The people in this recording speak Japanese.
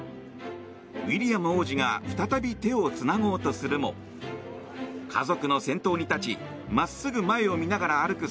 ウィリアム王子が再び手をつなごうとするも家族の先頭に立ち真っすぐ前を見ながら歩く